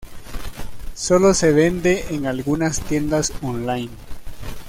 Solo se vende en algunas tiendas online.